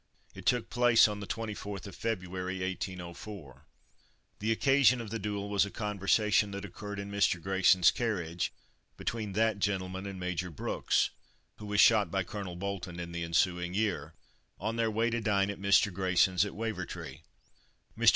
It took place on the 24th of February, 1804. The occasion of the duel was a conversation that occurred in Mr. Grayson's carriage, between that gentleman and Major Brooks (who was shot by Colonel Bolton in the ensuing year), on their way to dine at Mr. Grayson's, at Wavertree. Mr.